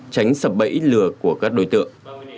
tránh sập bẫy lừa của các đối tượng